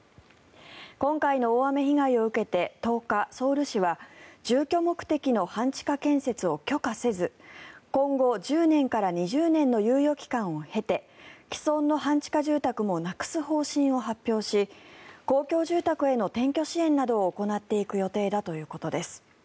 今回の大雨被害を受けて１０日、ソウル市は住居目的の半地下建設を許可せず今後１０年から２０年の猶予期間を経て既存の半地下住宅もなくす方針を発表し公共住宅への転居支援などを行っていく予定だということです。